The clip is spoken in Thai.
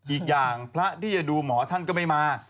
อีกอย่างพระที่จะดูหมอท่านก็ไม่มา